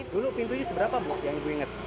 dulu pintunya seberapa bu yang ibu ingat